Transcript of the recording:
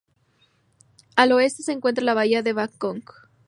Al oeste se encuentra la Bahía de Bangkok.